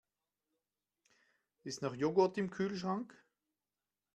Ist noch Joghurt im Kühlschrank?